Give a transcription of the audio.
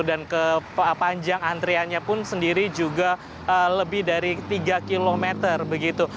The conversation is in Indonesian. kepanjang antriannya pun sendiri juga lebih dari tiga kilometer begitu